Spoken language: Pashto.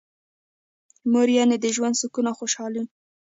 مور یعنی د ژوند سکون او خوشحالي.